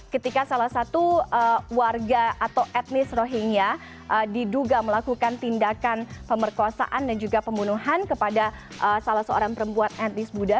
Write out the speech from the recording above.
ketika salah satu warga atau etnis rohingya diduga melakukan tindakan pemerkosaan dan juga pembunuhan kepada salah seorang perempuan etnis buddha